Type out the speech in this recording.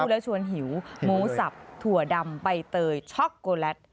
แล้วชวนหิวหมูสับถั่วดำใบเตยช็อกโกแลต